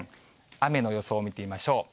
雨の予想見てみましょう。